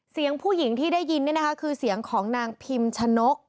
เสียงผู้หญิงที่ได้ยินเนี่ยนะคะคือเสียงของนางพิมชะนก